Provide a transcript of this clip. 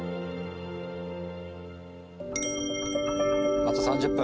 あと３０分。